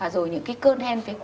rồi những cái cơn hen phải quản cấp